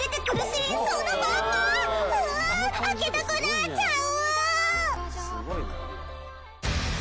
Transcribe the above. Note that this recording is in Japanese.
うわあ開けたくなっちゃう！